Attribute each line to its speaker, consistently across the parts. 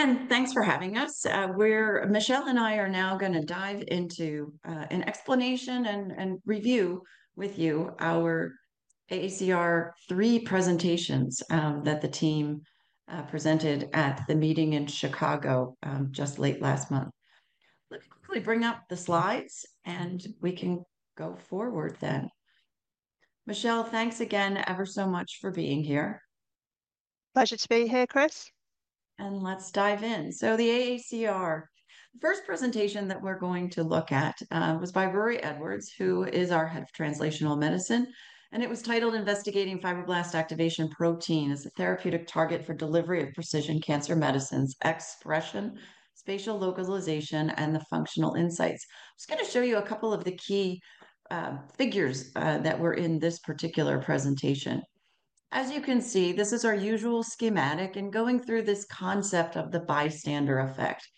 Speaker 1: Again, thanks for having us. Michelle and I are now going to dive into an explanation and review with you our AACR three presentations that the team presented at the meeting in Chicago just late last month. Let me quickly bring up the slides, and we can go forward then. Michelle, thanks again ever so much for being here.
Speaker 2: Pleasure to be here, Chris.
Speaker 1: Let's dive in. The AACR, the first presentation that we're going to look at was by Rory Edwards, who is our Head of Translational Medicine. It was titled, "Investigating Fibroblast Activation Protein as a Therapeutic Target for Delivery of Precision Cancer Medicines: Expression, Spatial Localization, and the Functional Insights." I'm just going to show you a couple of the key figures that were in this particular presentation. As you can see, this is our usual schematic and going through this concept of the bystander effect.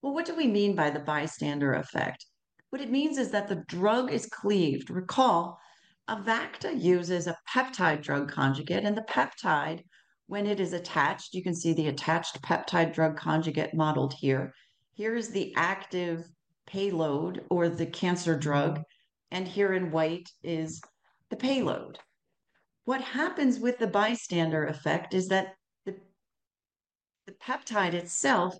Speaker 1: What do we mean by the bystander effect? What it means is that the drug is cleaved. Recall, Avacta uses a peptide drug conjugate, and the peptide, when it is attached, you can see the attached peptide drug conjugate modeled here. Here is the active payload or the cancer drug, and here in white is the payload. What happens with the bystander effect is that the peptide itself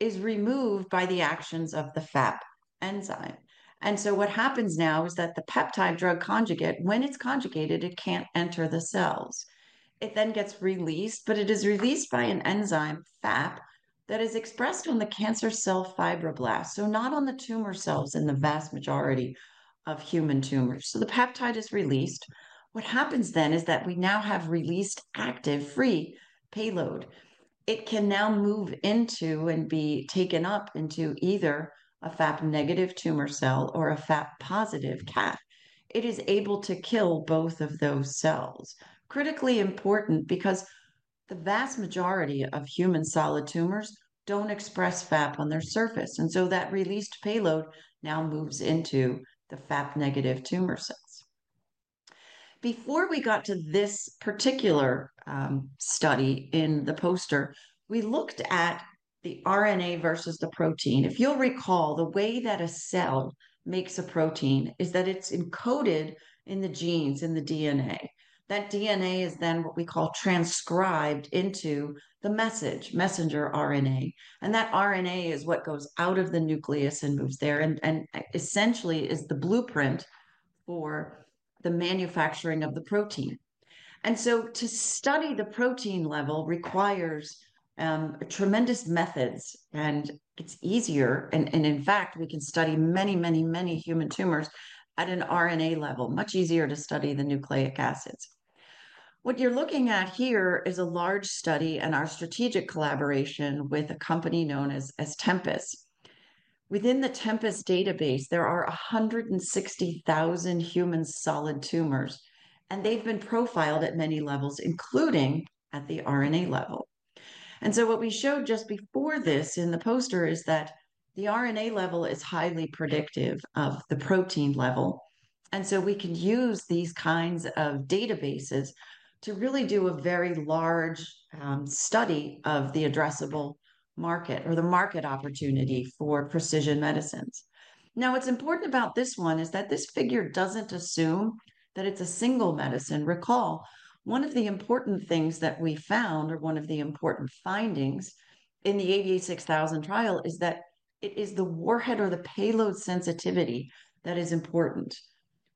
Speaker 1: is removed by the actions of the FAP enzyme. What happens now is that the peptide drug conjugate, when it's conjugated, it can't enter the cells. It then gets released, but it is released by an enzyme, FAP, that is expressed on the cancer cell fibroblasts, not on the tumor cells in the vast majority of human tumors. The peptide is released. What happens then is that we now have released active free payload. It can now move into and be taken up into either a FAP negative tumor cell or a FAP positive cat. It is able to kill both of those cells. Critically important because the vast majority of human solid tumors don't express FAP on their surface. That released payload now moves into the FAP negative tumor cells. Before we got to this particular study in the poster, we looked at the RNA versus the protein. If you'll recall, the way that a cell makes a protein is that it's encoded in the genes in the DNA. That DNA is then what we call transcribed into the messenger RNA. And that RNA is what goes out of the nucleus and moves there and essentially is the blueprint for the manufacturing of the protein. To study the protein level requires tremendous methods, and it's easier. In fact, we can study many, many, many human tumors at an RNA level, much easier to study the nucleic acids. What you're looking at here is a large study and our strategic collaboration with a company known as Tempus. Within the Tempus database, there are 160,000 human solid tumors, and they've been profiled at many levels, including at the RNA level. What we showed just before this in the poster is that the RNA level is highly predictive of the protein level. We can use these kinds of databases to really do a very large study of the addressable market or the market opportunity for precision medicines. Now, what's important about this one is that this figure doesn't assume that it's a single medicine. Recall, one of the important things that we found or one of the important findings in the AVA6000 trial is that it is the warhead or the payload sensitivity that is important.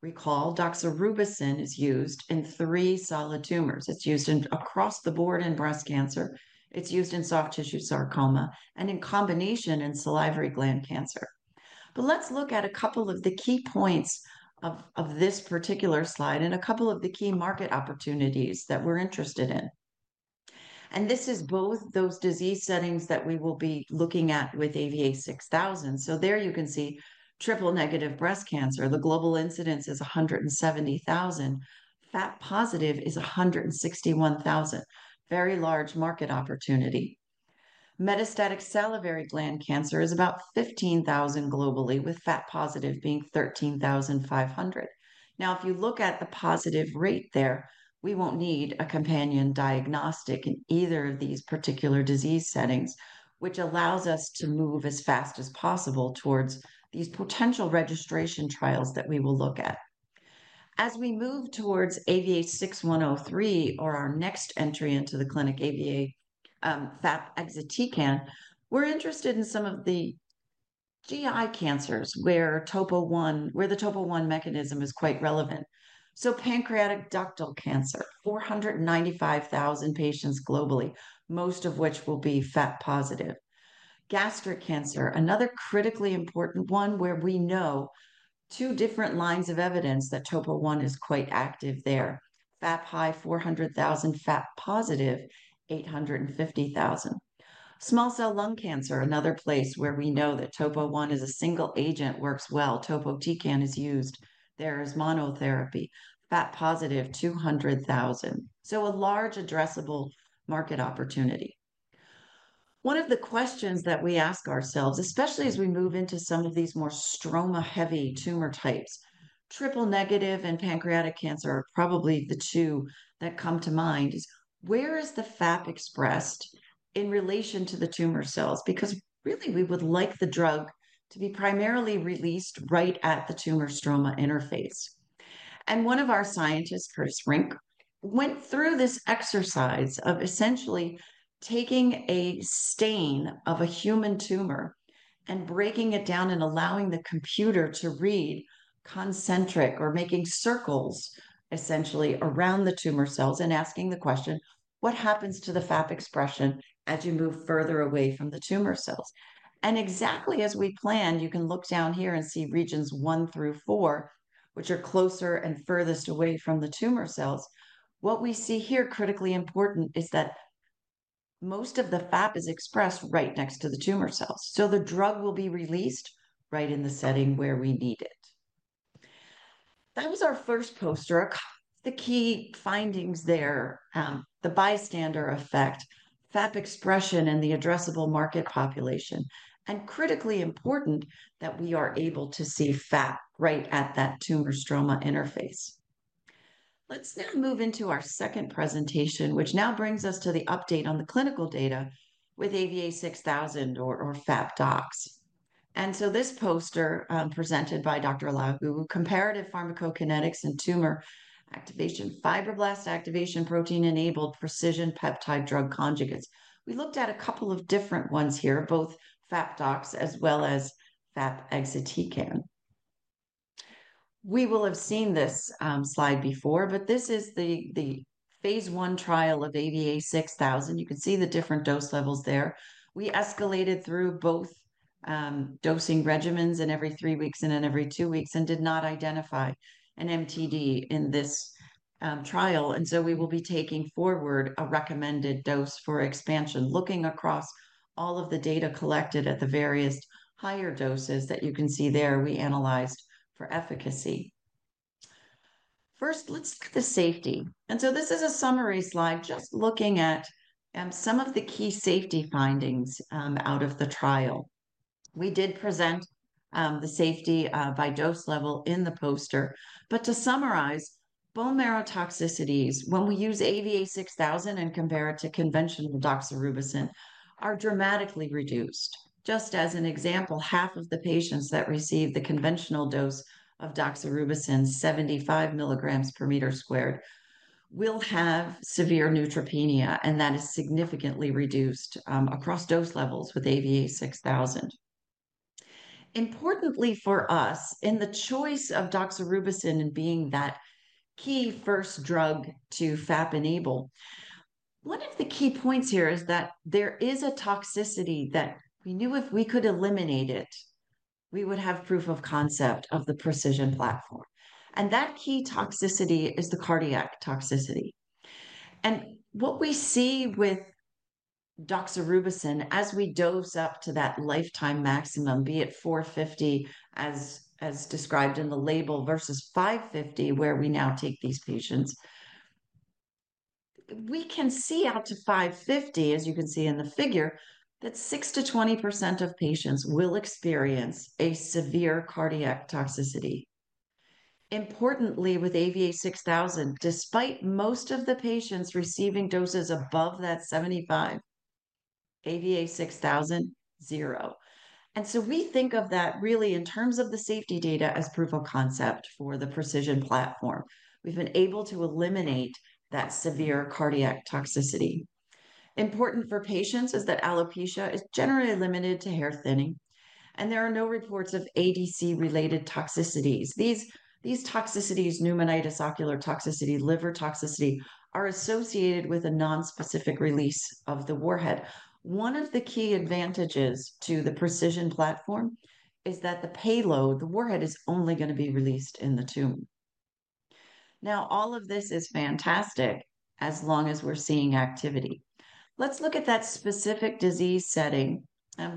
Speaker 1: Recall, doxorubicin is used in three solid tumors. It's used across the board in breast cancer. It's used in soft tissue sarcoma and in combination in salivary gland cancer. Let's look at a couple of the key points of this particular slide and a couple of the key market opportunities that we're interested in. This is both those disease settings that we will be looking at with AVA6000. There you can see triple negative breast cancer. The global incidence is 170,000. FAP positive is 161,000. Very large market opportunity. Metastatic salivary gland cancer is about 15,000 globally, with FAP positive being 13,500. Now, if you look at the positive rate there, we won't need a companion diagnostic in either of these particular disease settings, which allows us to move as fast as possible towards these potential registration trials that we will look at. As we move towards AVA6103, or our next entry into the clinic, AVA FAP-exatecan, we're interested in some of the GI cancers where TOPO1 mechanism is quite relevant. Pancreatic ductal cancer, 495,000 patients globally, most of which will be FAP positive. Gastric cancer, another critically important one where we know two different lines of evidence TOPO1 is quite active there. FAP high, 400,000; FAP positive, 850,000. Small cell lung cancer, another place where we know TOPO1 as a single agent works well. Topo TCAN is used. There is monotherapy. FAP positive, 200,000. A large addressable market opportunity. One of the questions that we ask ourselves, especially as we move into some of these more stroma-heavy tumor types, triple negative and pancreatic cancer are probably the two that come to mind, is where is the FAP expressed in relation to the tumor cells? Because really, we would like the drug to be primarily released right at the tumor stroma interface. One of our scientists, Curtis Rink, went through this exercise of essentially taking a stain of a human tumor and breaking it down and allowing the computer to read concentric or making circles essentially around the tumor cells and asking the question, what happens to the FAP expression as you move further away from the tumor cells? Exactly as we planned, you can look down here and see regions one through four, which are closer and furthest away from the tumor cells. What we see here, critically important, is that most of the FAP is expressed right next to the tumor cells. The drug will be released right in the setting where we need it. That was our first poster. The key findings there, the bystander effect, FAP expression in the addressable market population, and critically important that we are able to see FAP right at that tumor stroma interface. Let's now move into our second presentation, which now brings us to the update on the clinical data with AVA6000 or FAP-dox. This poster presented by Dr. Lau Gu, Comparative Pharmacokinetics and Tumor Activation, Fibroblast Activation Protein Enabled Precision Peptide Drug Conjugates. We looked at a couple of different ones here, both FAP-dox as well as FAP-exatecan. We will have seen this slide before, but this is the phase I trial of AVA6000. You can see the different dose levels there. We escalated through both dosing regimens, every three weeks and then every two weeks, and did not identify an MTD in this trial. We will be taking forward a recommended dose for expansion, looking across all of the data collected at the various higher doses that you can see there. We analyzed for efficacy. First, let's look at the safety. This is a summary slide just looking at some of the key safety findings out of the trial. We did present the safety by dose level in the poster. To summarize, bone marrow toxicities, when we use AVA6000 and compare it to conventional doxorubicin, are dramatically reduced. Just as an example, half of the patients that receive the conventional dose of doxorubicin, 75 milligrams per meter squared, will have severe neutropenia, and that is significantly reduced across dose levels with AVA6000. Importantly for us, in the choice of doxorubicin and being that key first drug to FAP enable, one of the key points here is that there is a toxicity that we knew if we could eliminate it, we would have proof of concept of the precision platform. That key toxicity is the cardiac toxicity. What we see with doxorubicin as we dose up to that lifetime maximum, be it 450 as described in the label versus 550 where we now take these patients, we can see out to 550, as you can see in the figure, that 6 to 20% of patients will experience a severe cardiac toxicity. Importantly, with AVA6000, despite most of the patients receiving doses above that 75, AVA6000, zero. We think of that really in terms of the safety data as proof of concept for the precision platform. We've been able to eliminate that severe cardiac toxicity. Important for patients is that alopecia is generally limited to hair thinning, and there are no reports of ADC-related toxicities. These toxicities, pneumonitis, ocular toxicity, liver toxicity, are associated with a nonspecific release of the warhead. One of the key advantages to the precision platform is that the payload, the warhead, is only going to be released in the tumor. All of this is fantastic as long as we're seeing activity. Let's look at that specific disease setting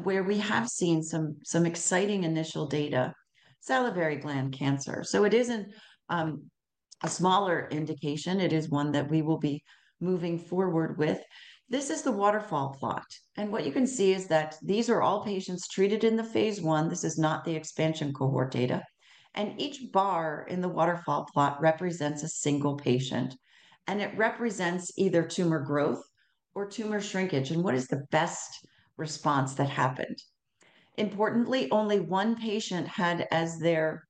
Speaker 1: where we have seen some exciting initial data, salivary gland cancer. It isn't a smaller indication. It is one that we will be moving forward with. This is the waterfall plot. What you can see is that these are all patients treated in the phase I. This is not the expansion cohort data. Each bar in the waterfall plot represents a single patient. It represents either tumor growth or tumor shrinkage and what is the best response that happened. Importantly, only one patient had as their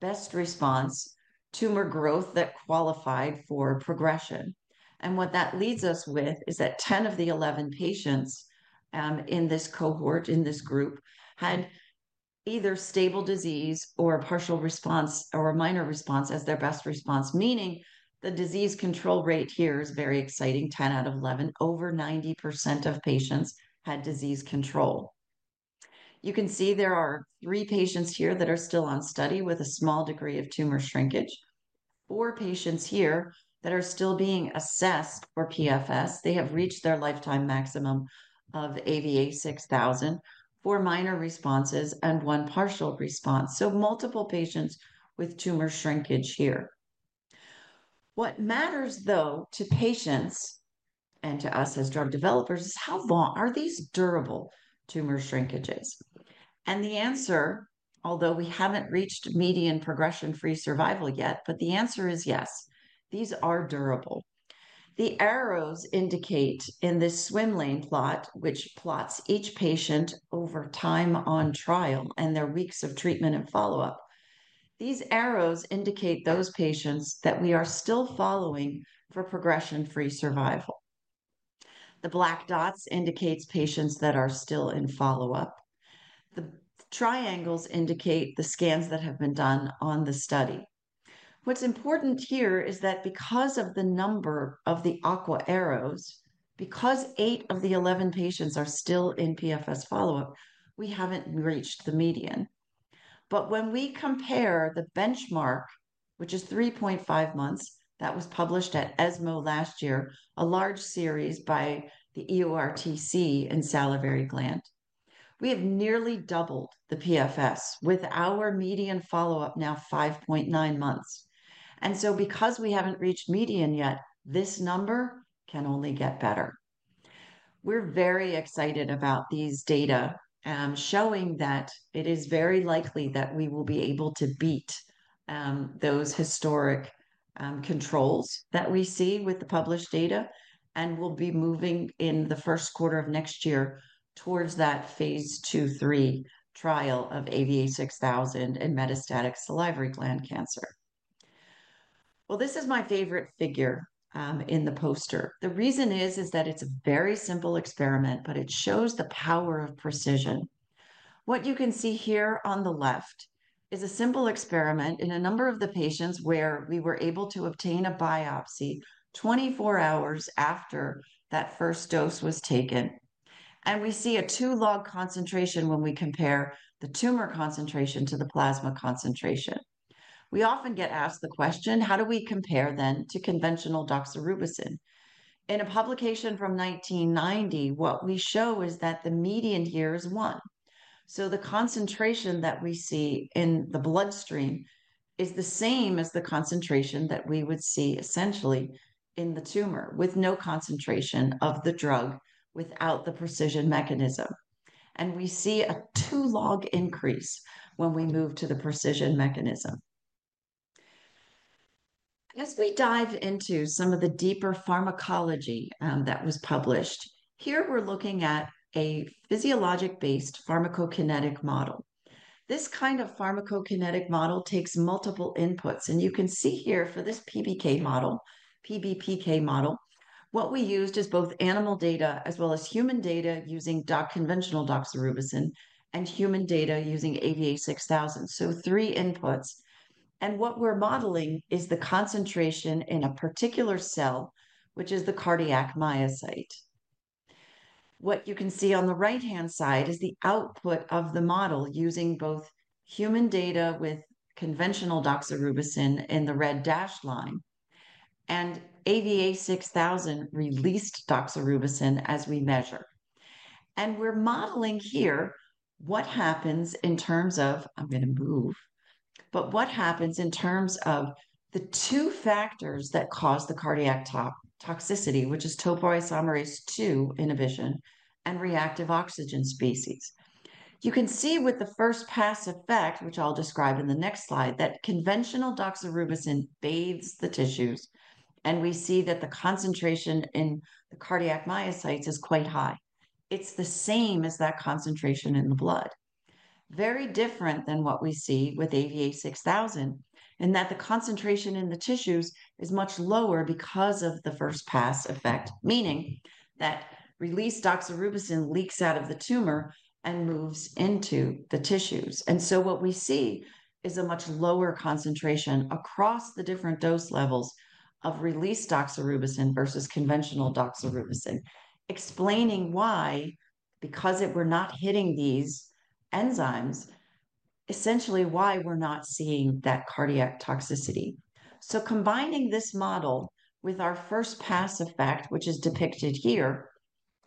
Speaker 1: best response tumor growth that qualified for progression. What that leads us with is that 10 of the 11 patients in this cohort, in this group, had either stable disease or a partial response or a minor response as their best response, meaning the disease control rate here is very exciting, 10 out of 11, over 90% of patients had disease control. You can see there are three patients here that are still on study with a small degree of tumor shrinkage, four patients here that are still being assessed for PFS. They have reached their lifetime maximum of AVA6000, four minor responses, and one partial response. Multiple patients with tumor shrinkage here. What matters, though, to patients and to us as drug developers is how long are these durable tumor shrinkages? The answer, although we haven't reached median progression-free survival yet, is yes, these are durable. The arrows indicate in this swim lane plot, which plots each patient over time on trial and their weeks of treatment and follow-up, these arrows indicate those patients that we are still following for progression-free survival. The black dots indicate patients that are still in follow-up. The triangles indicate the scans that have been done on the study. What's important here is that because of the number of the aqua arrows, because eight of the 11 patients are still in PFS follow-up, we haven't reached the median. When we compare the benchmark, which is 3.5 months, that was published at ESMO last year, a large series by the EORTC in salivary gland, we have nearly doubled the PFS with our median follow-up now 5.9 months. Because we haven't reached median yet, this number can only get better. We're very excited about these data showing that it is very likely that we will be able to beat those historic controls that we see with the published data and will be moving in the first quarter of next year towards that phase two, three trial of AVA6000 and metastatic salivary gland cancer. This is my favorite figure in the poster. The reason is that it's a very simple experiment, but it shows the power of precision. What you can see here on the left is a simple experiment in a number of the patients where we were able to obtain a biopsy 24 hours after that first dose was taken. We see a two log concentration when we compare the tumor concentration to the plasma concentration. We often get asked the question, how do we compare then to conventional doxorubicin? In a publication from 1990, what we show is that the median here is one. The concentration that we see in the bloodstream is the same as the concentration that we would see essentially in the tumor with no concentration of the drug without the precision mechanism. We see a two log increase when we move to the precision mechanism. As we dive into some of the deeper pharmacology that was published, here we're looking at a physiologic-based pharmacokinetic model. This kind of pharmacokinetic model takes multiple inputs. You can see here for this PBPK model, what we used is both animal data as well as human data using conventional doxorubicin and human data using AVA6000. Three inputs. What we are modeling is the concentration in a particular cell, which is the cardiac myocyte. You can see on the right-hand side the output of the model using both human data with conventional doxorubicin in the red dashed line, and AVA6000 released doxorubicin as we measure. We are modeling here what happens in terms of, I am going to move, but what happens in terms of the two factors that cause the cardiac toxicity, which is topoisomerase II inhibition and reactive oxygen species. You can see with the first pass effect, which I'll describe in the next slide, that conventional doxorubicin bathes the tissues, and we see that the concentration in the cardiac myocytes is quite high. It's the same as that concentration in the blood, very different than what we see with AVA6000, in that the concentration in the tissues is much lower because of the first pass effect, meaning that released doxorubicin leaks out of the tumor and moves into the tissues. What we see is a much lower concentration across the different dose levels of released doxorubicin versus conventional doxorubicin, explaining why, because we're not hitting these enzymes, essentially why we're not seeing that cardiac toxicity. Combining this model with our first pass effect, which is depicted here,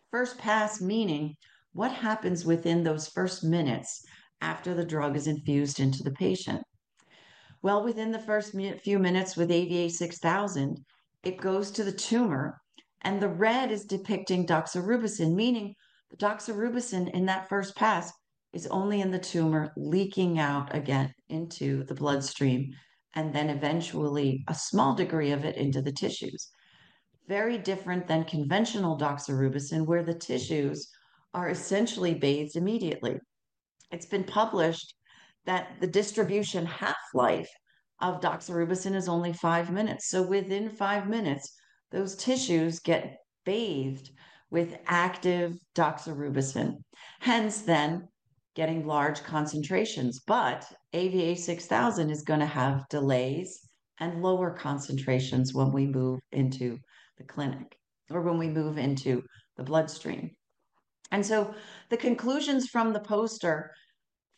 Speaker 1: first pass meaning what happens within those first minutes after the drug is infused into the patient. Within the first few minutes with AVA6000, it goes to the tumor, and the red is depicting doxorubicin, meaning the doxorubicin in that first pass is only in the tumor leaking out again into the bloodstream, and then eventually a small degree of it into the tissues. Very different than conventional doxorubicin, where the tissues are essentially bathed immediately. It's been published that the distribution half-life of doxorubicin is only five minutes. So within five minutes, those tissues get bathed with active doxorubicin, hence then getting large concentrations. AVA6000 is going to have delays and lower concentrations when we move into the clinic or when we move into the bloodstream. The conclusions from the poster,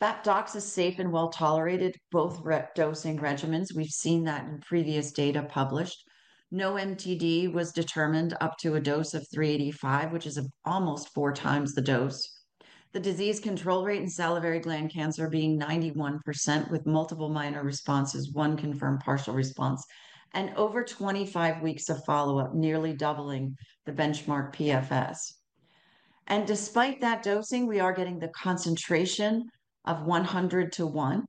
Speaker 1: FAP docs is safe and well tolerated, both dosing regimens. We've seen that in previous data published. No MTD was determined up to a dose of 385, which is almost four times the dose. The disease control rate in salivary gland cancer being 91% with multiple minor responses, one confirmed partial response, and over 25 weeks of follow-up, nearly doubling the benchmark PFS. Despite that dosing, we are getting the concentration of 100 to one,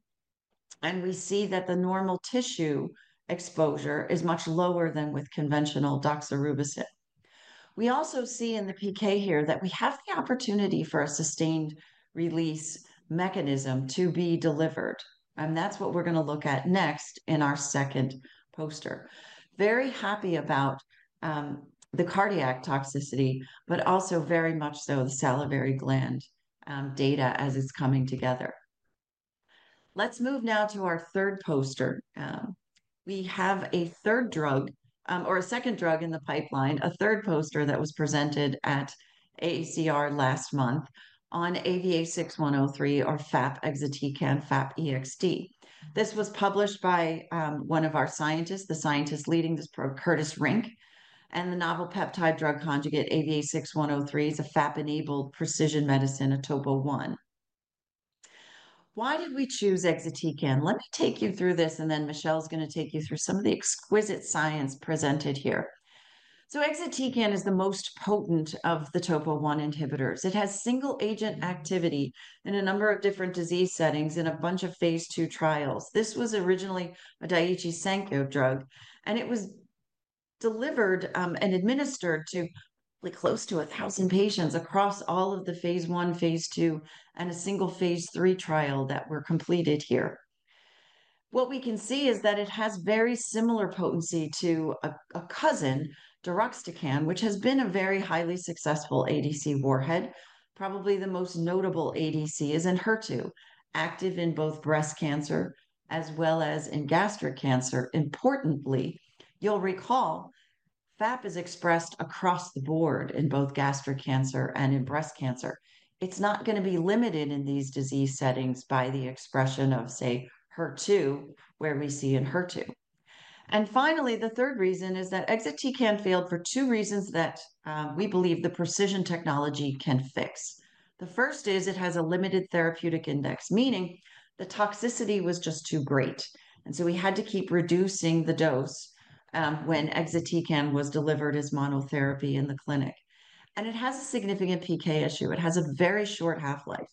Speaker 1: and we see that the normal tissue exposure is much lower than with conventional doxorubicin. We also see in the PK here that we have the opportunity for a sustained release mechanism to be delivered. That is what we are going to look at next in our second poster. Very happy about the cardiac toxicity, but also very much so the salivary gland data as it's coming together. Let's move now to our third poster. We have a third drug or a second drug in the pipeline, a third poster that was presented at AACR last month on AVA6103 or FAP-exatecan, FAP-EXD. This was published by one of our scientists, the scientist leading this program, Curtis Rink, and the novel peptide drug conjugate AVA6103 is a FAP-enabled precision medicine, a TOPO1. Why did we choose exatecan? Let me take you through this, and then Michelle is going to take you through some of the exquisite science presented here. Exatecan is the most potent of TOPO1 inhibitors. It has single-agent activity in a number of different disease settings in a bunch of phase two trials. This was originally a Daiichi Sankyo drug, and it was delivered and administered to close to 1,000 patients across all of the phase I, phase II, and a single phase III trial that were completed here. What we can see is that it has very similar potency to a cousin, deruxtecan, which has been a very highly successful ADC warhead. Probably the most notable ADC is in HER2, active in both breast cancer as well as in gastric cancer. Importantly, you'll recall FAP is expressed across the board in both gastric cancer and in breast cancer. It's not going to be limited in these disease settings by the expression of, say, HER2, where we see in HER2. Finally, the third reason is that exatecan failed for two reasons that we believe the precision technology can fix. The first is it has a limited therapeutic index, meaning the toxicity was just too great. We had to keep reducing the dose when exatecan was delivered as monotherapy in the clinic. It has a significant PK issue. It has a very short half-life.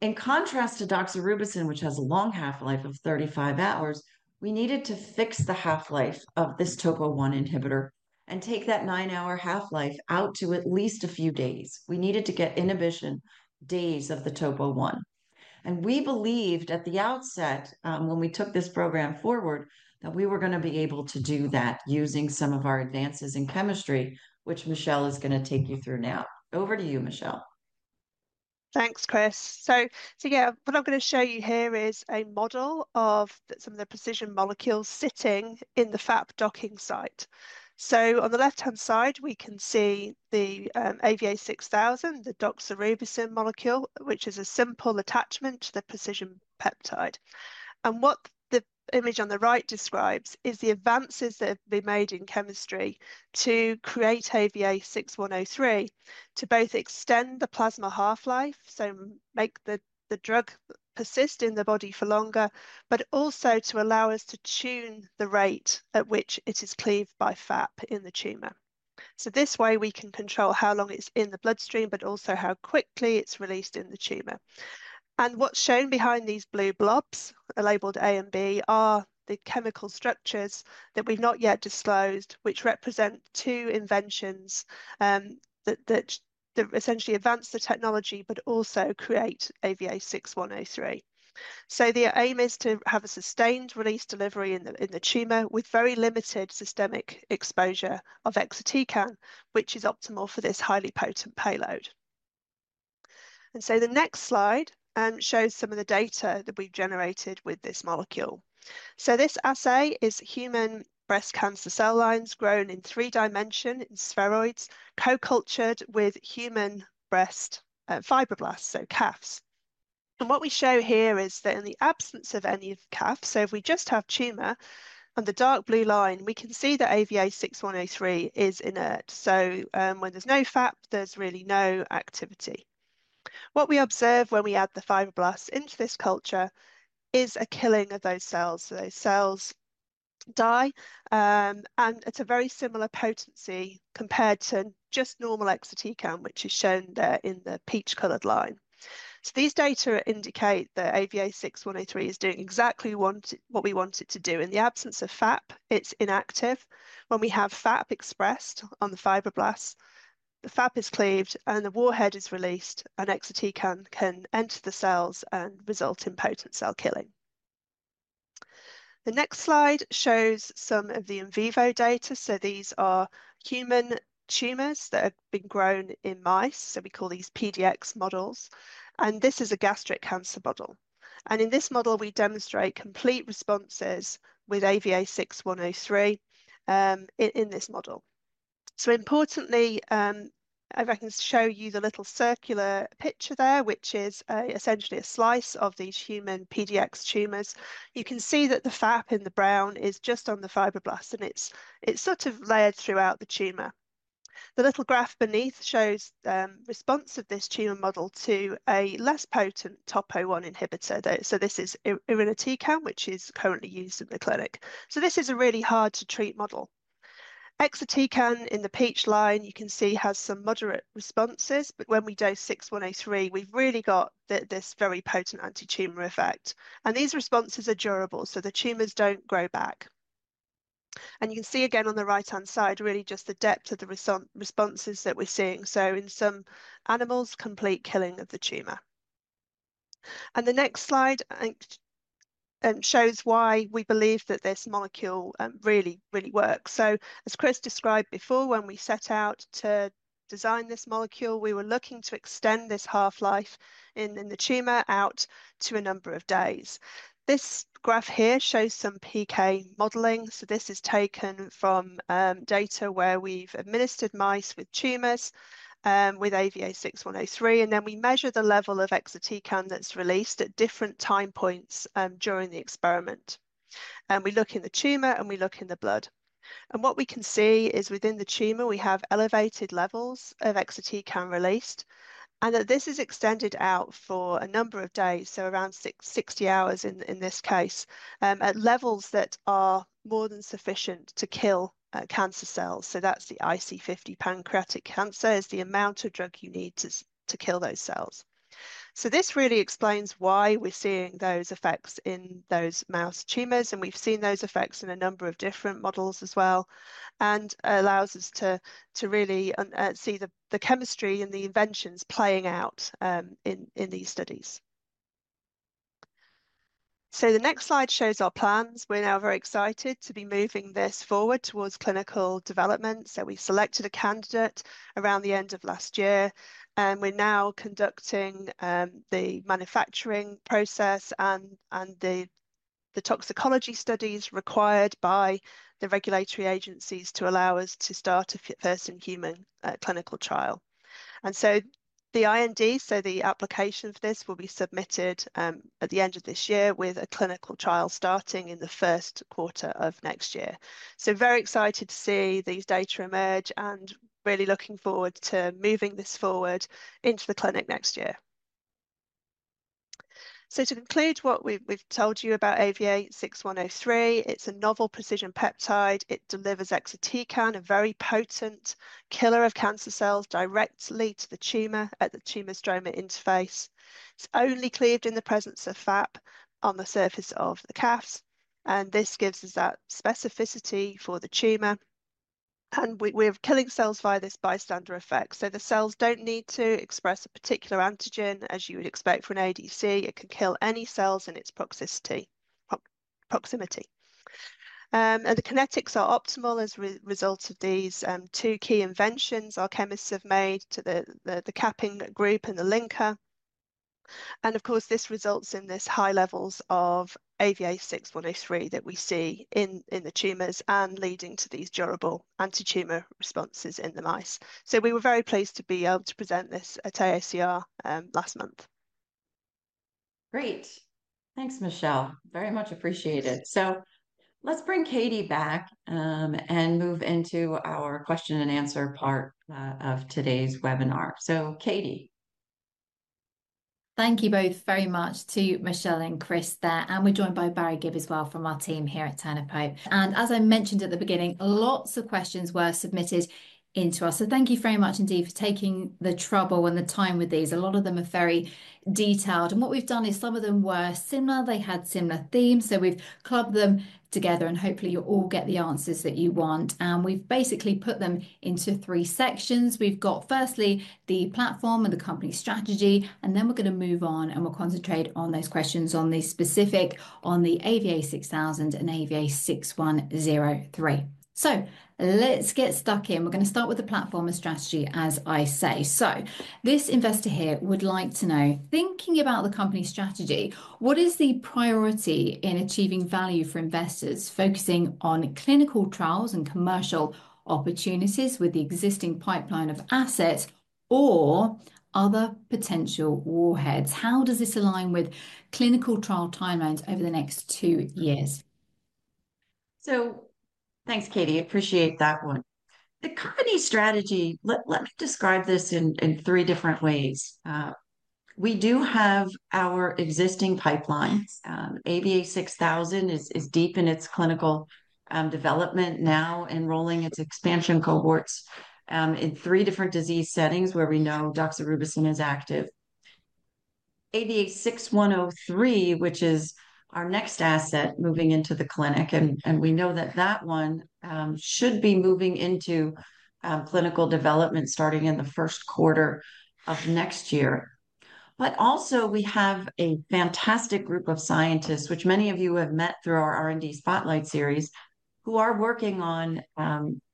Speaker 1: In contrast to doxorubicin, which has a long half-life of 35 hours, we needed to fix the half-life of TOPO1 inhibitor and take that nine-hour half-life out to at least a few days. We needed to get inhibition days of TOPO1. we believed at the outset when we took this program forward that we were going to be able to do that using some of our advances in chemistry, which Michelle is going to take you through now. Over to you, Michelle.
Speaker 2: Thanks, Chris. Yeah, what I'm going to show you here is a model of some of the precision molecules sitting in the FAP docking site. On the left-hand side, we can see the AVA6000, the doxorubicin molecule, which is a simple attachment to the precision peptide. What the image on the right describes is the advances that have been made in chemistry to create AVA6103 to both extend the plasma half-life, so make the drug persist in the body for longer, but also to allow us to tune the rate at which it is cleaved by FAP in the tumor. This way, we can control how long it's in the bloodstream, but also how quickly it's released in the tumor. What's shown behind these blue blobs, labeled A and B, are the chemical structures that we've not yet disclosed, which represent two inventions that essentially advance the technology, but also create AVA6103. The aim is to have a sustained release delivery in the tumor with very limited systemic exposure of exatecan, which is optimal for this highly potent payload. The next slide shows some of the data that we've generated with this molecule. This assay is human breast cancer cell lines grown in three dimension in spheroids, co-cultured with human breast fibroblasts, so CAFs. What we show here is that in the absence of any of CAFs, so if we just have tumor on the dark blue line, we can see that AVA6103 is inert. When there's no FAP, there's really no activity. What we observe when we add the fibroblasts into this culture is a killing of those cells. Those cells die, and it's a very similar potency compared to just normal exatecan, which is shown there in the peach-colored line. These data indicate that AVA6103 is doing exactly what we want it to do. In the absence of FAP, it's inactive. When we have FAP expressed on the fibroblasts, the FAP is cleaved and the warhead is released, and exatecan can enter the cells and result in potent cell killing. The next slide shows some of the in vivo data. These are human tumors that have been grown in mice. We call these PDX models. This is a gastric cancer model. In this model, we demonstrate complete responses with AVA6103 in this model. Importantly, if I can show you the little circular picture there, which is essentially a slice of these human PDX tumors, you can see that the FAP in the brown is just on the fibroblast, and it's sort of layered throughout the tumor. The little graph beneath shows the response of this tumor model to a less potent TOPO1 inhibitor. This is irinotecan, which is currently used in the clinic. This is a really hard-to-treat model. Exatecan in the peach line, you can see, has some moderate responses, but when we dose AVA6103, we've really got this very potent anti-tumor effect. These responses are durable, so the tumors do not grow back. You can see again on the right-hand side, really just the depth of the responses that we're seeing. In some animals, complete killing of the tumor. The next slide shows why we believe that this molecule really, really works. As Chris described before, when we set out to design this molecule, we were looking to extend this half-life in the tumor out to a number of days. This graph here shows some PK modeling. This is taken from data where we've administered mice with tumors with AVA6103, and then we measure the level of exatecan that's released at different time points during the experiment. We look in the tumor and we look in the blood. What we can see is within the tumor, we have elevated levels of exatecan released, and this is extended out for a number of days, so around 60 hours in this case, at levels that are more than sufficient to kill cancer cells. That's the IC50. Pancreatic cancer is the amount of drug you need to kill those cells. This really explains why we're seeing those effects in those mouse tumors, and we've seen those effects in a number of different models as well, and allows us to really see the chemistry and the inventions playing out in these studies. The next slide shows our plans. We're now very excited to be moving this forward towards clinical development. We selected a candidate around the end of last year, and we're now conducting the manufacturing process and the toxicology studies required by the regulatory agencies to allow us to start a first-in-human clinical trial. The IND, so the application for this, will be submitted at the end of this year with a clinical trial starting in the first quarter of next year. Very excited to see these data emerge and really looking forward to moving this forward into the clinic next year. To conclude what we've told you about AVA6103, it's a novel precision peptide. It delivers exatecan, a very potent killer of cancer cells, directly to the tumor at the tumor stromal interface. It's only cleaved in the presence of FAP on the surface of the CAFs, and this gives us that specificity for the tumor. We're killing cells via this bystander effect. The cells don't need to express a particular antigen, as you would expect for an ADC. It can kill any cells in its proximity. The kinetics are optimal as a result of these two key inventions our chemists have made to the capping group and the linker. Of course, this results in these high levels of AVA6103 that we see in the tumors, leading to these durable anti-tumor responses in the mice. We were very pleased to be able to present this at AACR last month.
Speaker 1: Great. Thanks, Michelle. Very much appreciated. Let's bring Katie back and move into our question and answer part of today's webinar. Katie. Thank you both very much to Michelle and Chris there. We are joined by Barry Gibb as well from our team here at Turner Pope. As I mentioned at the beginning, lots of questions were submitted to us. Thank you very much indeed for taking the trouble and the time with these. A lot of them are very detailed. What we have done is some of them were similar. They had similar themes. We've clubbed them together, and hopefully, you'll all get the answers that you want. We've basically put them into three sections. We've got firstly the platform and the company strategy, and then we're going to move on and we'll concentrate on those questions on the specific on the AVA6000 and AVA6103. Let's get stuck in. We're going to start with the platform and strategy, as I say. This investor here would like to know, thinking about the company strategy, what is the priority in achieving value for investors focusing on clinical trials and commercial opportunities with the existing pipeline of assets or other potential warheads? How does this align with clinical trial timelines over the next two years? Thanks, Katie. Appreciate that one. The company strategy, let me describe this in three different ways. We do have our existing pipelines. AVA6000 is deep in its clinical development now, enrolling its expansion cohorts in three different disease settings where we know doxorubicin is active. AVA6103, which is our next asset moving into the clinic, and we know that that one should be moving into clinical development starting in the first quarter of next year. Also, we have a fantastic group of scientists, which many of you have met through our R&D Spotlight series, who are working on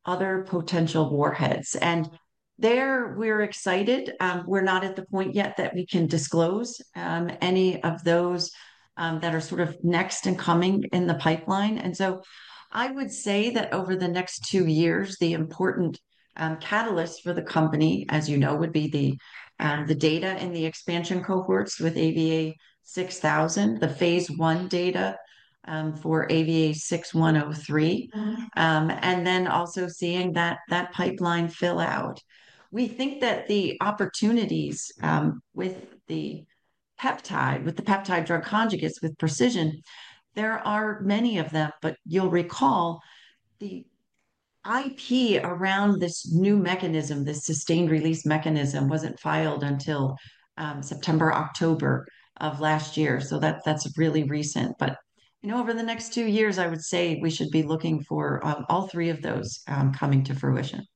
Speaker 1: other potential warheads. There, we're excited. We're not at the point yet that we can disclose any of those that are sort of next and coming in the pipeline. I would say that over the next two years, the important catalyst for the company, as you know, would be the data in the expansion cohorts with AVA6000, the phase I data for AVA6103, and then also seeing that pipeline fill out. We think that the opportunities with the peptide, with the peptide drug conjugates, with precision, there are many of them, but you'll recall the IP around this new mechanism, this sustained release mechanism, was not filed until September, October of last year. That is really recent. Over the next two years, I would say we should be looking for all three of those coming to fruition.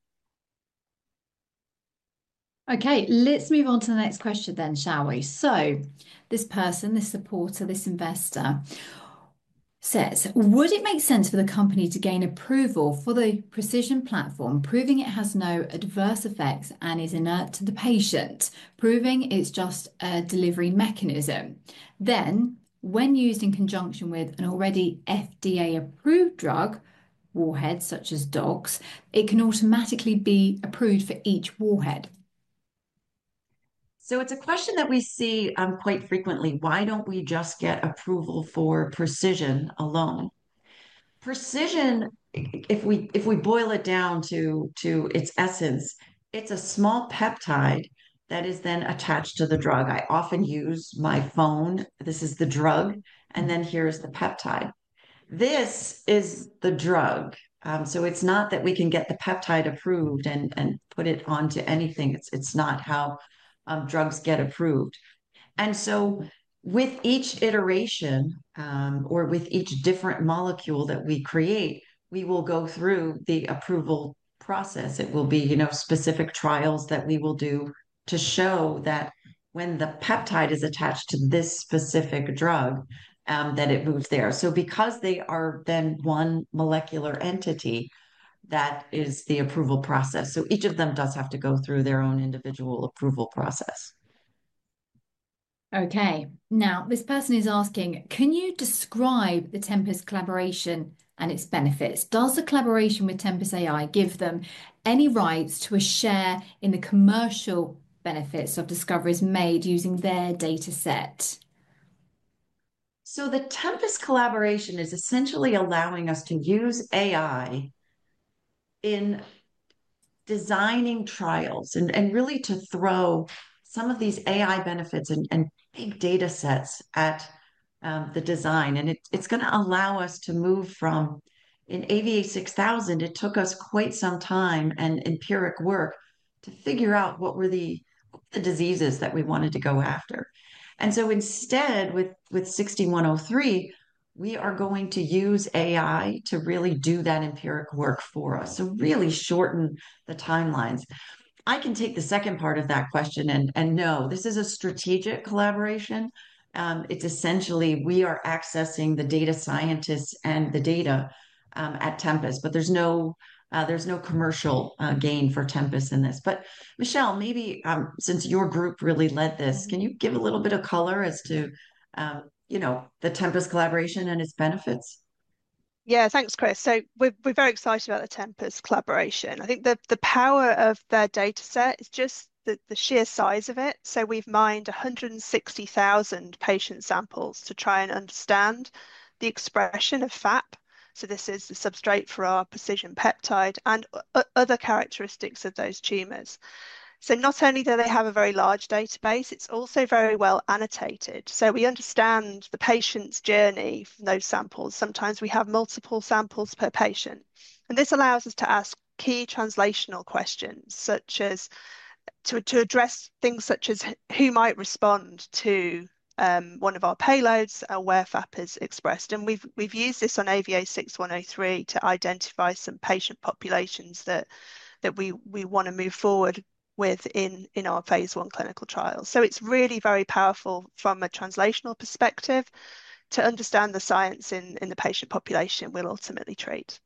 Speaker 1: Okay, let's move on to the next question then, shall we? This person, this supporter, this investor says, "Would it make sense for the company to gain approval for the precision platform, proving it has no adverse effects and is inert to the patient, proving it's just a delivery mechanism? Then, when used in conjunction with an already FDA-approved drug warhead, such as DOX, it can automatically be approved for each warhead." It's a question that we see quite frequently. Why don't we just get approval for precision alone? Precision, if we boil it down to its essence, it's a small peptide that is then attached to the drug. I often use my phone. This is the drug, and then here is the peptide. This is the drug. It's not that we can get the peptide approved and put it onto anything. It's not how drugs get approved. With each iteration or with each different molecule that we create, we will go through the approval process. It will be specific trials that we will do to show that when the peptide is attached to this specific drug, that it moves there. Because they are then one molecular entity, that is the approval process. Each of them does have to go through their own individual approval process. Okay. This person is asking, "Can you describe the Tempus collaboration and its benefits? Does the collaboration with Tempus AI give them any rights to a share in the commercial benefits of discoveries made using their dataset?" The Tempus collaboration is essentially allowing us to use AI in designing trials and really to throw some of these AI benefits and big datasets at the design. It is going to allow us to move from in AVA6000, it took us quite some time and empiric work to figure out what were the diseases that we wanted to go after. Instead, with 6103, we are going to use AI to really do that empiric work for us, to really shorten the timelines. I can take the second part of that question and know this is a strategic collaboration. It is essentially we are accessing the data scientists and the data at Tempus, but there is no commercial gain for Tempus in this. Michelle, maybe since your group really led this, can you give a little bit of color as to the Tempus collaboration and its benefits?
Speaker 2: Yeah, thanks, Chris. We are very excited about the Tempus collaboration. I think the power of their dataset is just the sheer size of it. We have mined 160,000 patient samples to try and understand the expression of FAP. This is the substrate for our precision peptide and other characteristics of those tumors. Not only do they have a very large database, it is also very well annotated. We understand the patient's journey from those samples. Sometimes we have multiple samples per patient. This allows us to ask key translational questions such as to address things such as who might respond to one of our payloads where FAP is expressed. We have used this on AVA6103 to identify some patient populations that we want to move forward with in our phase one clinical trials. It is really very powerful from a translational perspective to understand the science in the patient population we will ultimately treat.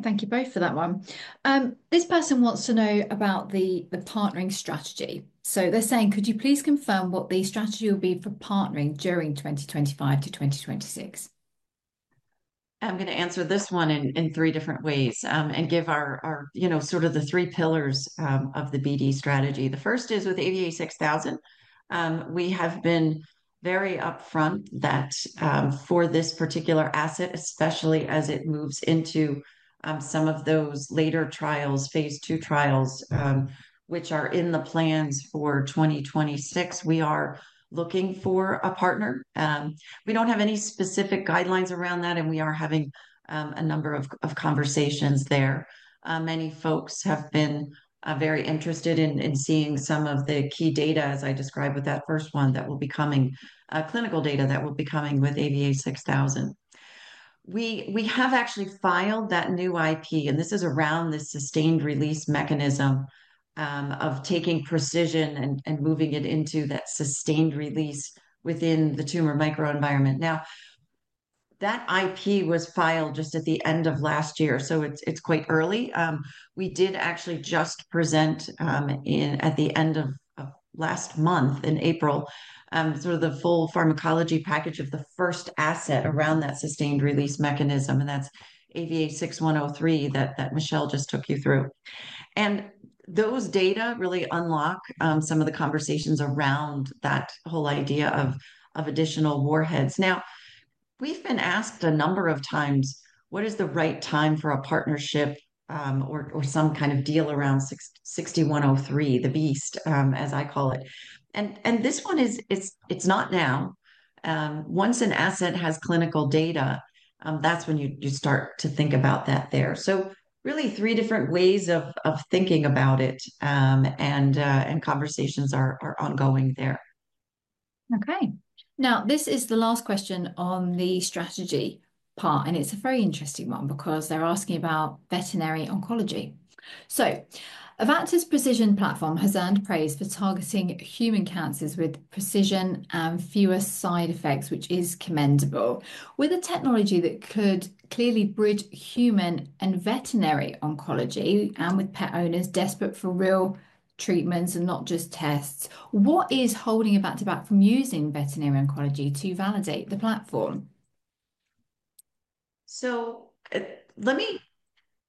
Speaker 2: Thank you both for that one. This person wants to know about the partnering strategy. They're saying, "Could you please confirm what the strategy will be for partnering during 2025 to 2026?"
Speaker 1: I'm going to answer this one in three different ways and give our sort of the three pillars of the BD strategy. The first is with AVA6000. We have been very upfront that for this particular asset, especially as it moves into some of those later trials, phase II trials, which are in the plans for 2026, we are looking for a partner. We don't have any specific guidelines around that, and we are having a number of conversations there. Many folks have been very interested in seeing some of the key data, as I described with that first one, that will be coming, clinical data that will be coming with AVA6000. We have actually filed that new IP, and this is around the sustained release mechanism of taking precision and moving it into that sustained release within the tumor microenvironment. Now, that IP was filed just at the end of last year, so it's quite early. We did actually just present at the end of last month in April, sort of the full pharmacology package of the first asset around that sustained release mechanism, and that's AVA6103 that Michelle just took you through. And those data really unlock some of the conversations around that whole idea of additional warheads. Now, we've been asked a number of times, "What is the right time for a partnership or some kind of deal around 6103, the beast, as I call it?" This one is, it's not now. Once an asset has clinical data, that's when you start to think about that there. Really three different ways of thinking about it, and conversations are ongoing there. Okay. Now, this is the last question on the strategy part, and it's a very interesting one because they're asking about veterinary oncology. Avacta's precision platform has earned praise for targeting human cancers with precision and fewer side effects, which is commendable. With a technology that could clearly bridge human and veterinary oncology and with pet owners desperate for real treatments and not just tests, what is holding Avacta back from using veterinary oncology to validate the platform?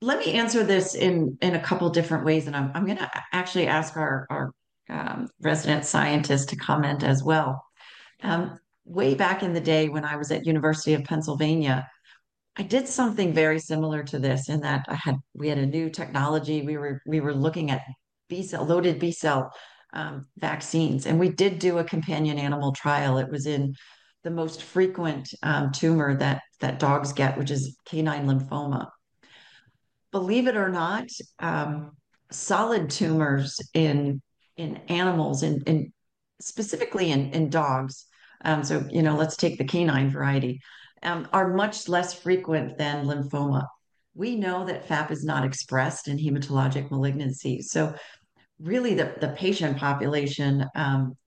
Speaker 1: Let me answer this in a couple of different ways, and I'm going to actually ask our resident scientist to comment as well. Way back in the day when I was at University of Pennsylvania, I did something very similar to this in that we had a new technology. We were looking at loaded B-cell vaccines, and we did do a companion animal trial. It was in the most frequent tumor that dogs get, which is canine lymphoma. Believe it or not, solid tumors in animals, specifically in dogs, so let's take the K9 variety, are much less frequent than lymphoma. We know that FAP is not expressed in hematologic malignancies. Really, the patient population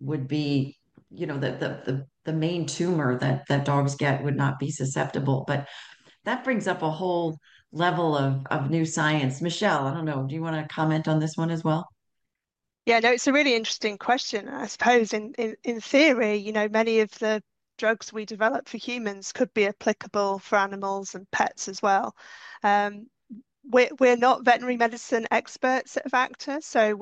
Speaker 1: would be the main tumor that dogs get would not be susceptible. That brings up a whole level of new science. Michelle, I don't know, do you want to comment on this one as well?
Speaker 2: Yeah, no, it's a really interesting question, I suppose. In theory, many of the drugs we develop for humans could be applicable for animals and pets as well. We're not veterinary medicine experts at Avacta, so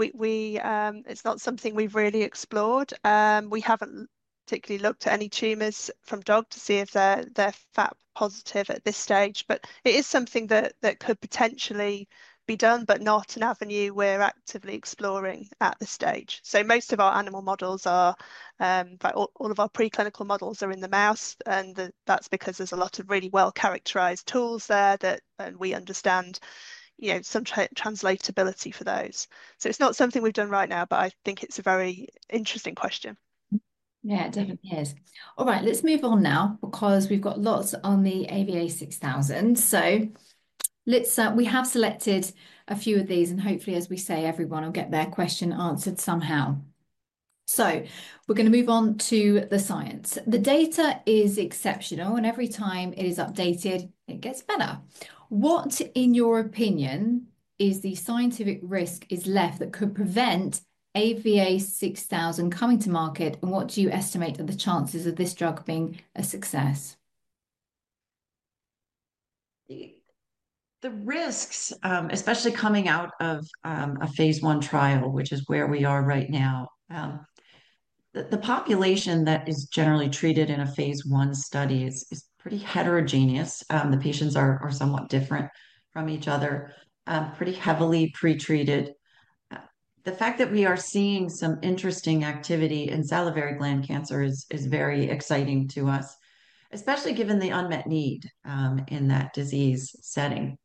Speaker 2: it's not something we've really explored. We haven't particularly looked at any tumors from dog to see if they're FAP positive at this stage, but it is something that could potentially be done, but not an avenue we're actively exploring at this stage. Most of our animal models, all of our preclinical models, are in the mouse, and that's because there's a lot of really well-characterized tools there that we understand some translatability for those. It's not something we've done right now, but I think it's a very interesting question. Yeah, it definitely is. All right, let's move on now because we've got lots on the AVA6000. We have selected a few of these, and hopefully, as we say, everyone will get their question answered somehow. We're going to move on to the science. The data is exceptional, and every time it is updated, it gets better. What, in your opinion, is the scientific risk left that could prevent AVA6000 coming to market, and what do you estimate are the chances of this drug being a success?
Speaker 1: The risks, especially coming out of a phase I trial, which is where we are right now, the population that is generally treated in a phase I study is pretty heterogeneous. The patients are somewhat different from each other, pretty heavily pretreated. The fact that we are seeing some interesting activity in salivary gland cancer is very exciting to us, especially given the unmet need in that disease setting.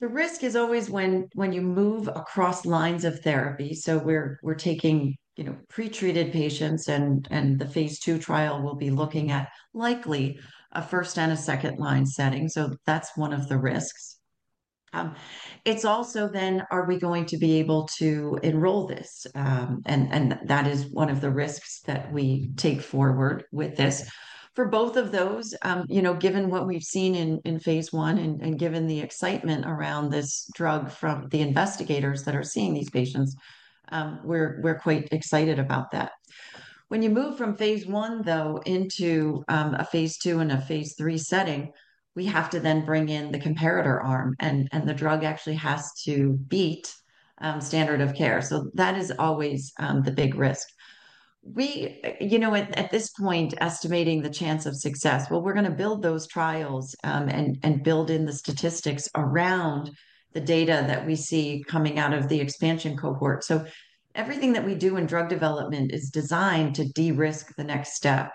Speaker 1: The risk is always when you move across lines of therapy. We are taking pretreated patients, and the phase II trial will be looking at likely a first and a second line setting. That is one of the risks. It is also then, are we going to be able to enroll this? That is one of the risks that we take forward with this. For both of those, given what we've seen in phase I and given the excitement around this drug from the investigators that are seeing these patients, we're quite excited about that. When you move from phase I, though, into a phase II and a phase III setting, we have to then bring in the comparator arm, and the drug actually has to beat standard of care. That is always the big risk. At this point, estimating the chance of success, we're going to build those trials and build in the statistics around the data that we see coming out of the expansion cohort. Everything that we do in drug development is designed to de-risk the next step.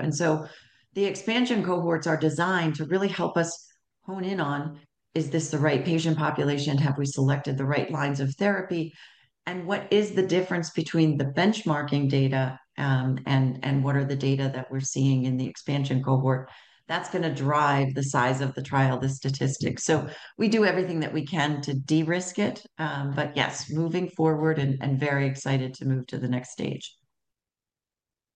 Speaker 1: The expansion cohorts are designed to really help us hone in on, is this the right patient population? Have we selected the right lines of therapy? What is the difference between the benchmarking data and what are the data that we're seeing in the expansion cohort? That's going to drive the size of the trial, the statistics. We do everything that we can to de-risk it. Yes, moving forward and very excited to move to the next stage.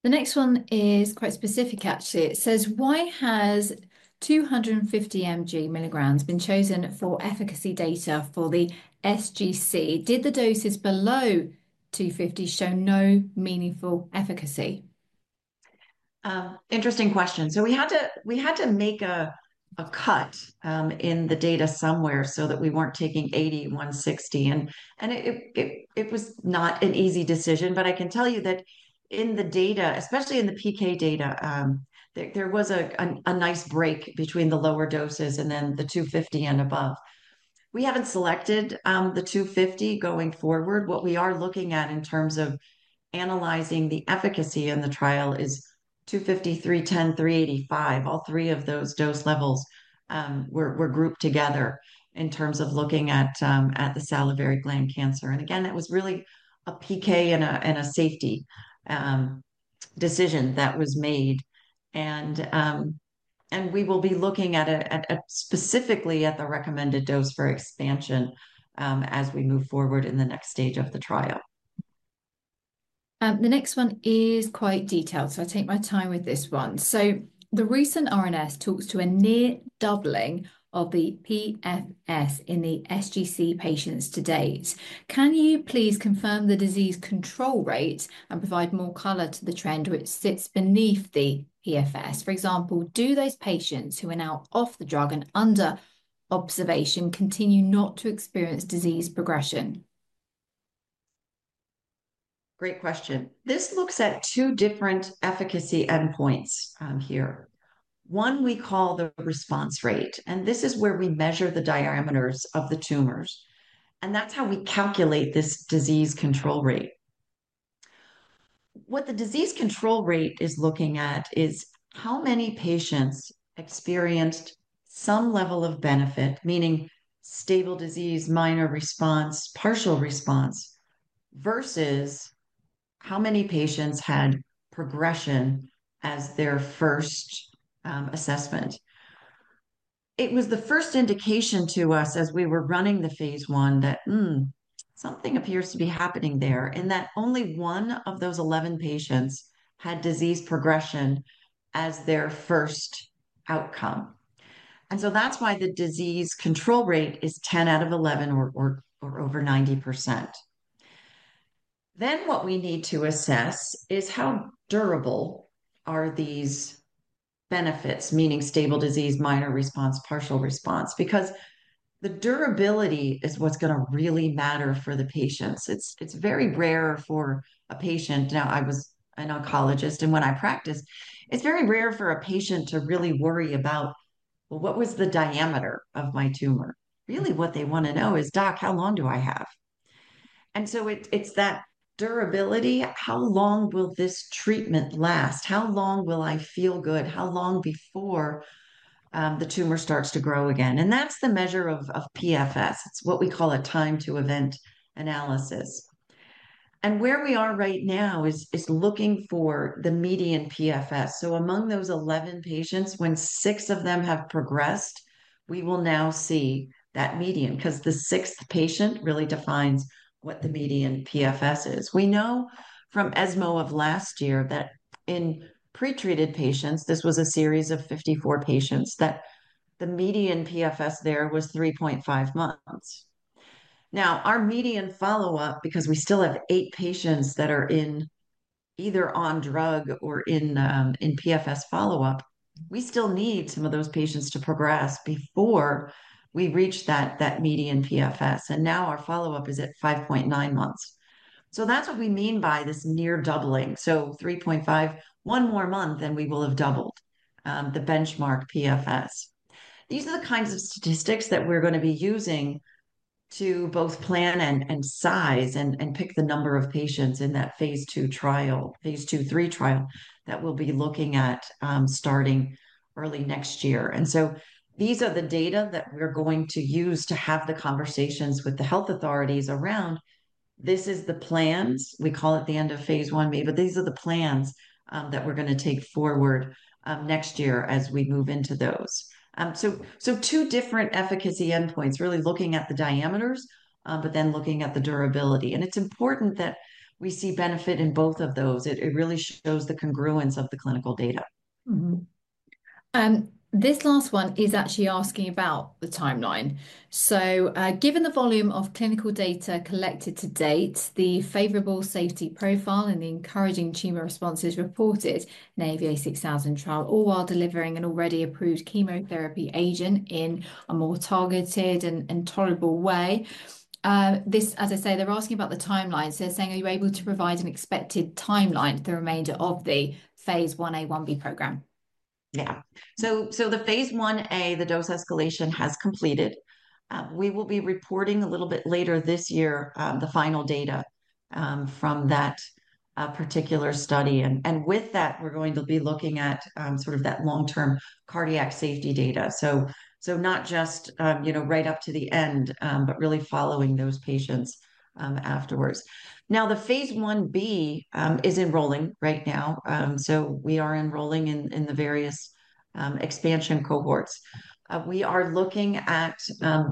Speaker 1: The next one is quite specific, actually. It says, "Why has 250 mg, milligrams been chosen for efficacy data for the SGC? Did the doses below 250 show no meaningful efficacy?" Interesting question. We had to make a cut in the data somewhere so that we weren't taking 80, 160. It was not an easy decision, but I can tell you that in the data, especially in the PK data, there was a nice break between the lower doses and then the 250 and above. We have not selected the 250 going forward. What we are looking at in terms of analyzing the efficacy in the trial is 250, 310, 385. All three of those dose levels were grouped together in terms of looking at the salivary gland cancer. That was really a PK and a safety decision that was made. We will be looking specifically at the recommended dose for expansion as we move forward in the next stage of the trial. The next one is quite detailed, so I take my time with this one. The recent RNS talks to a near doubling of the PFS in the SGC patients to date. Can you please confirm the disease control rate and provide more color to the trend which sits beneath the PFS? For example, do those patients who are now off the drug and under observation continue not to experience disease progression? Great question. This looks at two different efficacy endpoints here. One we call the response rate, and this is where we measure the diameters of the tumors. That is how we calculate this disease control rate. What the disease control rate is looking at is how many patients experienced some level of benefit, meaning stable disease, minor response, partial response, versus how many patients had progression as their first assessment. It was the first indication to us as we were running the phase I that something appears to be happening there and that only one of those 11 patients had disease progression as their first outcome. That is why the disease control rate is 10 out of 11 or over 90%. What we need to assess is how durable are these benefits, meaning stable disease, minor response, partial response, because the durability is what is going to really matter for the patients. It is very rare for a patient. I was an oncologist, and when I practiced, it is very rare for a patient to really worry about, "What was the diameter of my tumor?" Really, what they want to know is, "Doc, how long do I have?" It is that durability. How long will this treatment last? How long will I feel good? How long before the tumor starts to grow again? That is the measure of PFS. It is what we call a time-to-event analysis. Where we are right now is looking for the median PFS. Among those 11 patients, when six of them have progressed, we will now see that median because the sixth patient really defines what the median PFS is. We know from ESMO of last year that in pretreated patients, this was a series of 54 patients, that the median PFS there was 3.5 months. Now, our median follow-up, because we still have eight patients that are either on drug or in PFS follow-up, we still need some of those patients to progress before we reach that median PFS. Now our follow-up is at 5.9 months. That is what we mean by this near doubling. 3.5, one more month, and we will have doubled the benchmark PFS. These are the kinds of statistics that we're going to be using to both plan and size and pick the number of patients in that phase two trial, phase two three trial that we'll be looking at starting early next year. These are the data that we're going to use to have the conversations with the health authorities around. This is the plans. We call it the end of phase I, but these are the plans that we're going to take forward next year as we move into those. Two different efficacy endpoints, really looking at the diameters, but then looking at the durability. It's important that we see benefit in both of those. It really shows the congruence of the clinical data. This last one is actually asking about the timeline. Given the volume of clinical data collected to date, the favorable safety profile and the encouraging tumor responses reported in the AVA6000 trial, all while delivering an already approved chemotherapy agent in a more targeted and tolerable way. This, as I say, they're asking about the timeline. They're saying, "Are you able to provide an expected timeline for the remainder of the phase I A, B program?" Yeah. The phase I A, the dose escalation has completed. We will be reporting a little bit later this year the final data from that particular study. With that, we're going to be looking at sort of that long-term cardiac safety data. Not just right up to the end, but really following those patients afterwards. The phase I B is enrolling right now. We are enrolling in the various expansion cohorts. We are looking at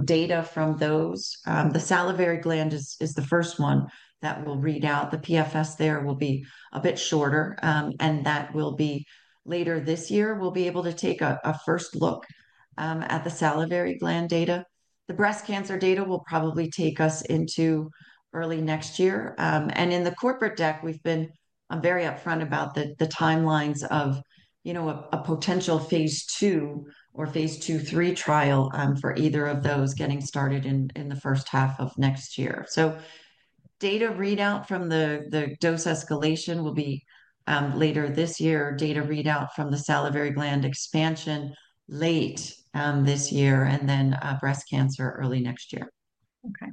Speaker 1: data from those. The salivary gland is the first one that we'll read out. The PFS there will be a bit shorter, and that will be later this year. We'll be able to take a first look at the salivary gland data. The breast cancer data will probably take us into early next year. In the corporate deck, we've been very upfront about the timelines of a potential phase II or phase II, III trial for either of those getting started in the first half of next year. Data readout from the dose escalation will be later this year, data readout from the salivary gland expansion late this year, and then breast cancer early next year. Okay.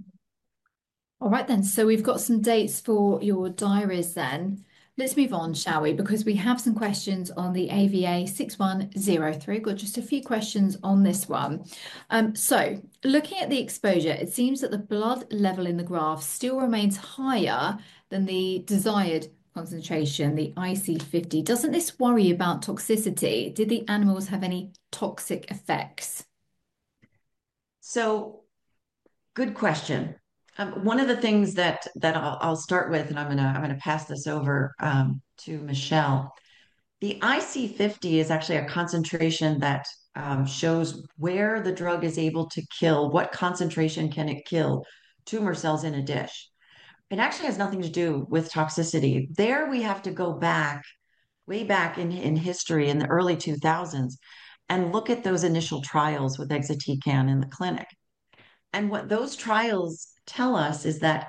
Speaker 1: All right, then. We've got some dates for your diaries then. Let's move on, shall we? Because we have some questions on the AVA6103. We've got just a few questions on this one. Looking at the exposure, it seems that the blood level in the graph still remains higher than the desired concentration, the IC50. Doesn't this worry about toxicity? Did the animals have any toxic effects? Good question. One of the things that I'll start with, and I'm going to pass this over to Michelle. The IC50 is actually a concentration that shows where the drug is able to kill, what concentration can it kill tumor cells in a dish. It actually has nothing to do with toxicity. There we have to go back, way back in history, in the early 2000s, and look at those initial trials with exatecan in the clinic. What those trials tell us is that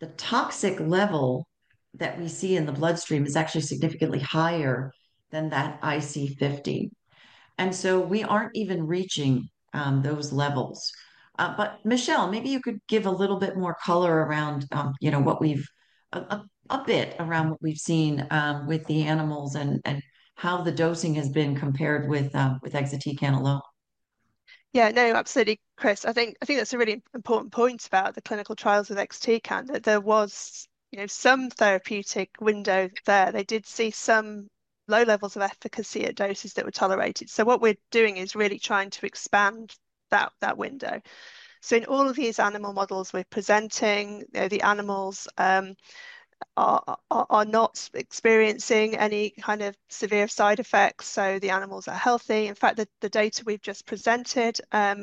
Speaker 1: the toxic level that we see in the bloodstream is actually significantly higher than that IC50. We are not even reaching those levels. Michelle, maybe you could give a little bit more color around what we have seen with the animals and how the dosing has been compared with exatecan alone.
Speaker 2: Yeah, no, absolutely, Chris. I think that is a really important point about the clinical trials with exatecan, that there was some therapeutic window there. They did see some low levels of efficacy at doses that were tolerated. What we are doing is really trying to expand that window. In all of these animal models we are presenting, the animals are not experiencing any kind of severe side effects. The animals are healthy. In fact, the data we have just presented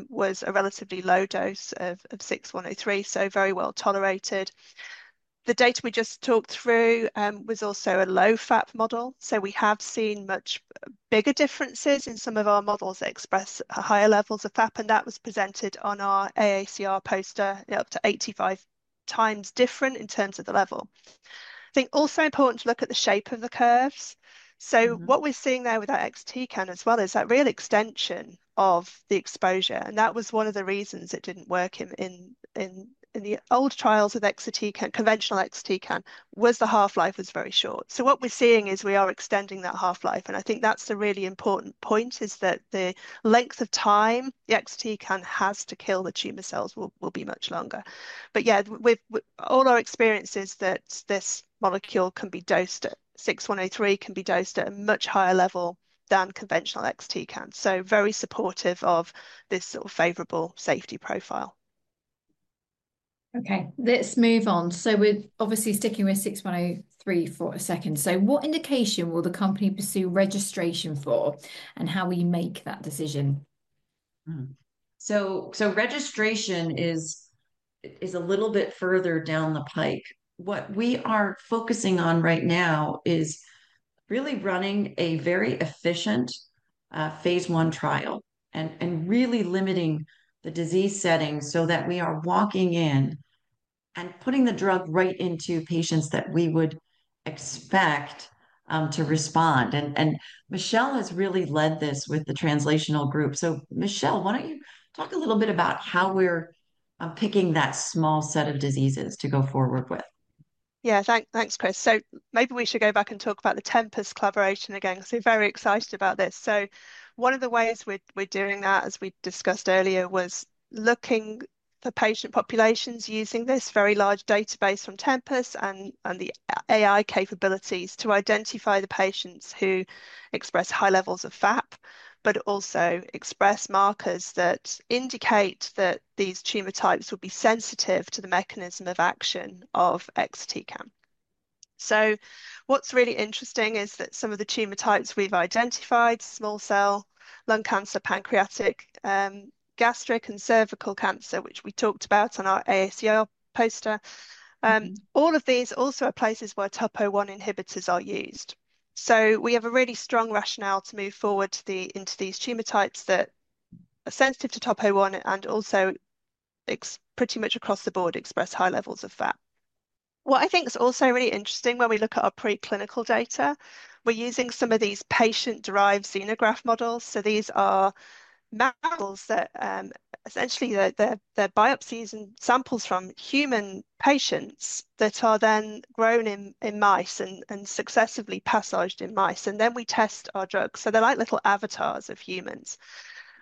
Speaker 2: was a relatively low dose of 6103, so very well tolerated. The data we just talked through was also a low FAP model. We have seen much bigger differences in some of our models that express higher levels of FAP, and that was presented on our AACR poster, up to 85 times different in terms of the level. I think also important to look at the shape of the curves. What we're seeing there with that exatecan as well is that real extension of the exposure. That was one of the reasons it did not work in the old trials with exatecan, conventional exatecan, was the half-life was very short. What we're seeing is we are extending that half-life. I think that's the really important point, is that the length of time the exatecan has to kill the tumor cells will be much longer. Yeah, all our experience is that this molecule can be dosed at 6103, can be dosed at a much higher level than conventional exatecan. Very supportive of this sort of favorable safety profile. Okay, let's move on. We're obviously sticking with 6103 for a second. What indication will the company pursue registration for, and how will you make that decision?
Speaker 1: Registration is a little bit further down the pike. What we are focusing on right now is really running a very efficient phase one trial and really limiting the disease setting so that we are walking in and putting the drug right into patients that we would expect to respond. Michelle has really led this with the translational group. Michelle, why don't you talk a little bit about how we're picking that small set of diseases to go forward with?
Speaker 2: Yeah, thanks, Chris. Maybe we should go back and talk about the Tempus collaboration again. Very excited about this. One of the ways we're doing that, as we discussed earlier, was looking for patient populations using this very large database from Tempus and the AI capabilities to identify the patients who express high levels of FAP, but also express markers that indicate that these tumor types will be sensitive to the mechanism of action of exatecan. What's really interesting is that some of the tumor types we've identified, small cell lung cancer, pancreatic, gastric, and cervical cancer, which we talked about on our AACR poster, all of these also are places TOPO1 inhibitors are used. We have a really strong rationale to move forward into these tumor types that are sensitive TOPO1 and also pretty much across the board express high levels of FAP. What I think is also really interesting when we look at our preclinical data, we're using some of these patient-derived xenograft models. These are models that essentially they're biopsies and samples from human patients that are then grown in mice and successively passaged in mice. Then we test our drugs. They're like little avatars of humans.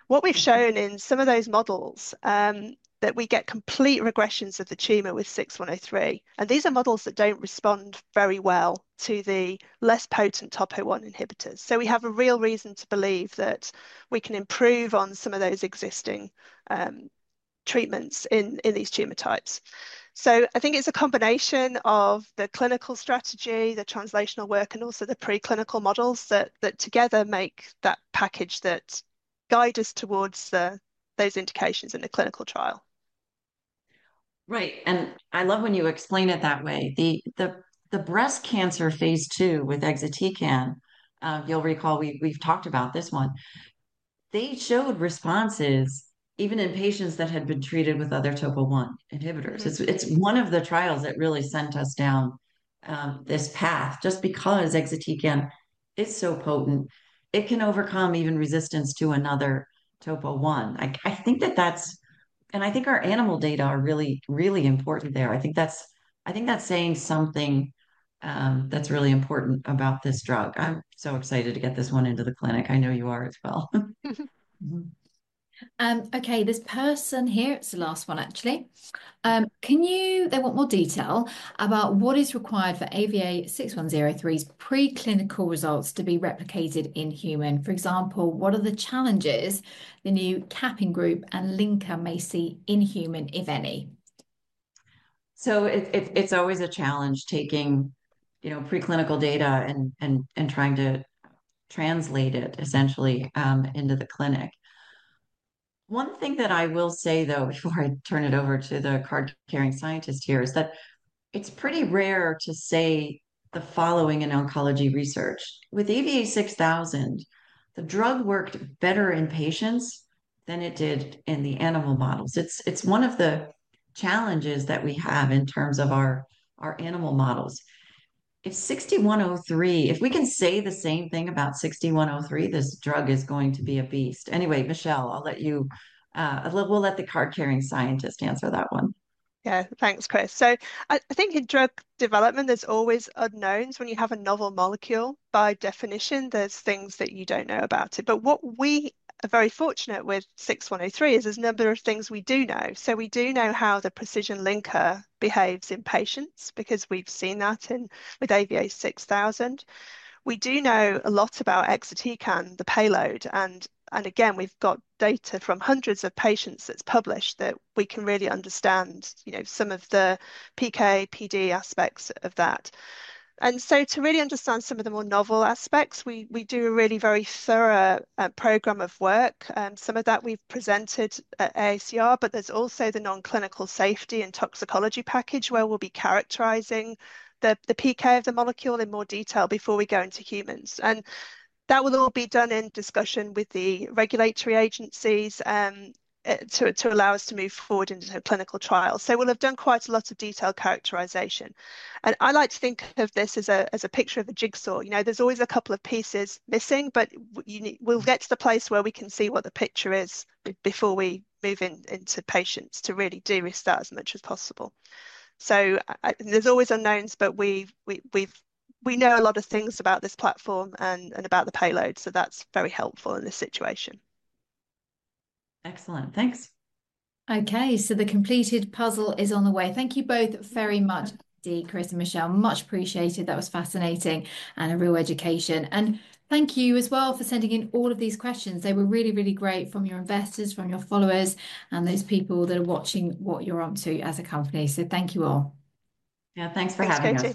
Speaker 2: What we've shown in some of those models is that we get complete regressions of the tumor with 6103. These are models that don't respond very well to the less TOPO1 inhibitors. We have a real reason to believe that we can improve on some of those existing treatments in these tumor types. I think it's a combination of the clinical strategy, the translational work, and also the preclinical models that together make that package that guide us towards those indications in the clinical trial. Right.
Speaker 1: I love when you explain it that way. The breast cancer phase two with exatecan, you'll recall we've talked about this one. They showed responses even in patients that had been treated with TOPO1 inhibitors. It's one of the trials that really sent us down this path just because exatecan is so potent. It can overcome even resistance to TOPO1. i think that that's—I think our animal data are really, really important there. I think that's saying something that's really important about this drug. I'm so excited to get this one into the clinic. I know you are as well. Okay, this person here, it's the last one, actually. They want more detail about what is required for AVA6103's preclinical results to be replicated in human. For example, what are the challenges the new capping group and linker may see in human, if any? It's always a challenge taking preclinical data and trying to translate it essentially into the clinic. One thing that I will say, though, before I turn it over to the card-carrying scientist here, is that it's pretty rare to say the following in oncology research. With AVA6000, the drug worked better in patients than it did in the animal models. It's one of the challenges that we have in terms of our animal models. If 6103, if we can say the same thing about 6103, this drug is going to be a beast. Anyway, Michelle, I'll let you—we'll let the card-carrying scientist answer that one.
Speaker 2: Yeah, thanks, Chris. I think in drug development, there's always unknowns. When you have a novel molecule, by definition, there's things that you don't know about it. What we are very fortunate with 6103 is there's a number of things we do know. We do know how the precision linker behaves in patients because we've seen that with AVA6000. We do know a lot about exatecan, the payload. Again, we've got data from hundreds of patients that's published that we can really understand some of the PK, PD aspects of that. To really understand some of the more novel aspects, we do a really very thorough program of work. Some of that we've presented at AACR, but there's also the non-clinical safety and toxicology package where we'll be characterizing the PK of the molecule in more detail before we go into humans. That will all be done in discussion with the regulatory agencies to allow us to move forward into clinical trials. We'll have done quite a lot of detailed characterization. I like to think of this as a picture of a jigsaw. There's always a couple of pieces missing, but we'll get to the place where we can see what the picture is before we move into patients to really do with that as much as possible. There's always unknowns, but we know a lot of things about this platform and about the payload. That's very helpful in this situation.
Speaker 1: Excellent. Thanks. The completed puzzle is on the way. Thank you both very much, Chris and Michelle. Much appreciated. That was fascinating and a real education. Thank you as well for sending in all of these questions. They were really, really great from your investors, from your followers, and those people that are watching what you're up to as a company. Thank you all. Yeah, thanks for having us.